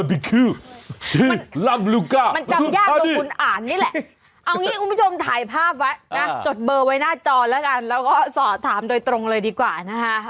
ที่รับลูกค้ามันทำยากตัวคุณอ่านนี่แหละเอางี้คุณผู้ชมถ่ายภาพไว้นะจดเบอร์ไว้หน้าจอแล้วก็สอดถามโดยตรงเลยดีกว่านะฮะ